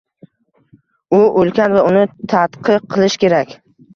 U ulkan va uni tadqiq qilish kerak.